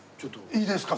いいですか？